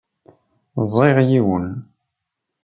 Ẓẓiɣ yiwen.